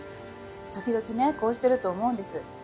時々ねこうしてると思うんです。